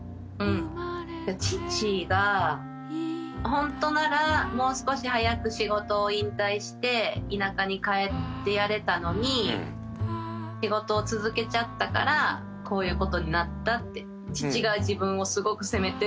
ホントならもう少し早く仕事を引退して田舎に帰ってやれたのに仕事を続けちゃったからこういうことになったって。